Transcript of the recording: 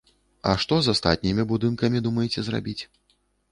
А што з астатнімі будынкамі думаеце зрабіць?